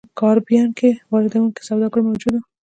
په کارابین کې واردوونکي سوداګر موجود وو.